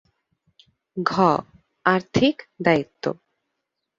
ঘ. আর্থিক দায়িত্ব